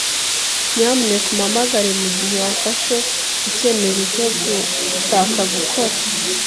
Nyamuneka umpamagare mugihe wafashe icyemezo cyo gushaka gukora.